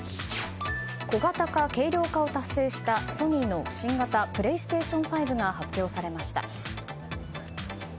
小型化、軽量化を達成したソニーの新型ＰｌａｙＳｔａｔｉｏｎ５が発表されました。